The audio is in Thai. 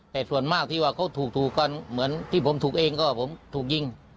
แต่ส่วนมากที่ว่าเขาถูกกันเหมือนที่ผมถูกเองก็ผมถูกยิง